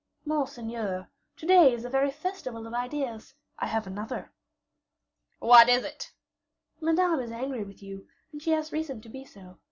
"Monseigneur, to day is a very festival of ideas; I have another." "What is it?" "Madame is angry with you, and she has reason to be so.